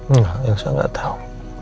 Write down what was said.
enggak elsa gak tau